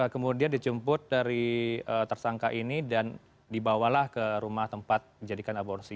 kemudian dijemput dari tersangka ini dan dibawalah ke rumah tempat dijadikan aborsi